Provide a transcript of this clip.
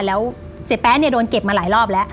เสียแป๊ะโดนเก็บมาหลายรอบแล้ว